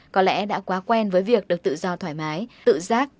có lẽ đã quá quen với việc được tự do thoải mái tự giác